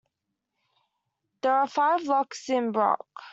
There are five locks in Brock.